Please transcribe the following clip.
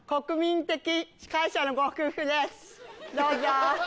どうぞ。